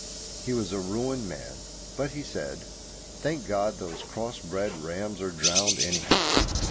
He was a ruined man. But he said, "Thank God, those cross bred rams are drowned, anyhow."